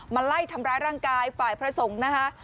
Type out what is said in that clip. มาไล่ทำร้ายร่างกายฝ่ายพระสงฆ์นะคะ